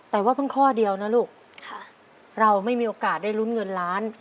แต่ว่าเพิ่งข้อเดียวนะลูกเราไม่มีโอกาสได้ลุ้นเงินล้าน